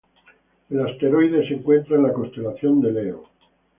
El asteroide se encuentra en la constelación de Leo.